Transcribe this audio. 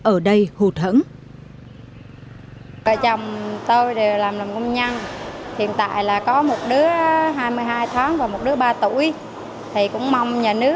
ở đây hụt hẳn